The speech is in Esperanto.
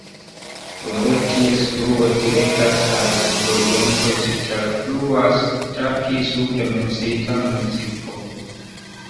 Unue ties fluo direktas al sudoriento, ĝi trafluas tra pli supre menciita municipo.